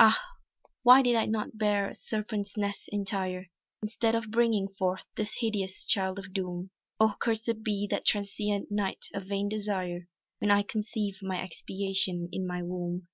"Ah, why did I not bear a serpent's nest entire, Instead of bringing forth this hideous Child of Doom! Oh cursèd be that transient night of vain desire When I conceived my expiation in my womb!"